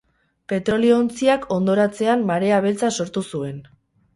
Petrolio-ontziak hondoratzean marea beltza sortu zuen.